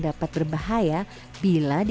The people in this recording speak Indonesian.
sejak bumi lepas ini